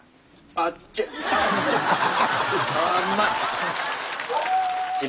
あっちぃ！